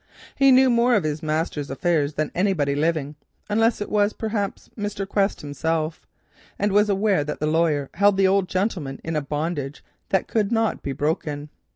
He knew more of his master's affairs than anybody living, unless, perhaps, it was Mr. Quest himself, and was aware that the lawyer held the old gentleman in a bondage that could not be broken.